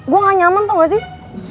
gue nggak nyaman tahu nggak sih